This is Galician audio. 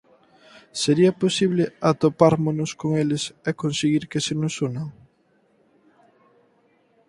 ¿Sería posible atopármonos con eles e conseguir que se nos unan?